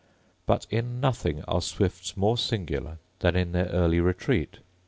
But in nothing are swifts more singular than in their early retreat.